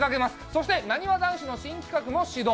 そしてなにわ男子の新企画も始動。